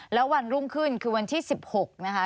แล้ววันรุ่งขึ้นคือวันที่๑๖นะคะ